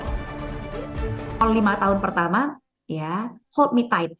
kalau lima tahun pertama hold me tight